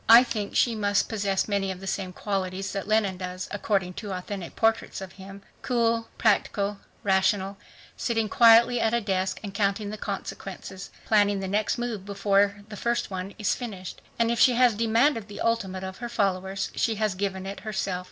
I think she must possess many of the same qualities that Lenin does, according to authentic portraits of him cool, practical, rational, sitting quietly at a desk and counting the consequences, planning the next move before the first one is finished. And if she has demanded the ultimate of her followers, she has given it herself.